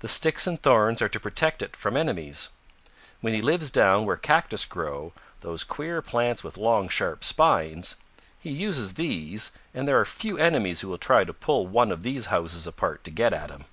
The sticks and thorns are to protect it from enemies. When he lives down where cactus grow, those queer plants with long sharp spines, he uses these, and there are few enemies who will try to pull one of these houses apart to get at him.